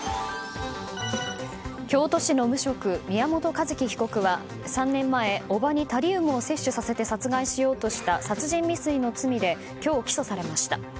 京都市の無職、宮本一希被告は３年前叔母にタリウムを摂取させて殺害しようとした殺人未遂の罪で今日、起訴されました。